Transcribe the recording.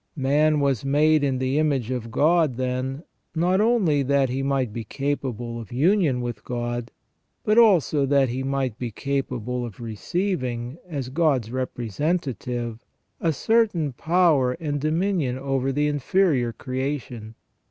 Man was made in the image of God, then, not only that he might be capable of union with God, but also that he might be capable of receiving, as God's representative, a certain power and dominion over the inferior creation.